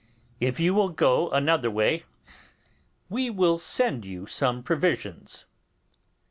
If you will go another way we will send you some provisions.